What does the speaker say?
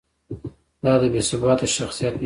دا د بې ثباته شخصیت نښه ده.